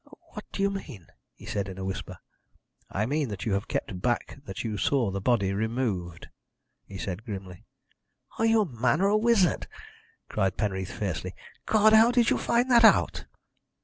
"What do you mean?" he said, in a whisper. "I mean that you have kept back that you saw the body removed," he said grimly. "Are you a man or a wizard?" cried Penreath fiercely. "God! how did you find that out?"